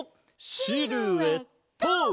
シルエット！